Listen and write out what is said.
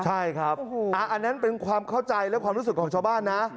ใช่ครับอันนั้นเป็นความเข้าใจและความรู้สึกของชาวบ้านนะ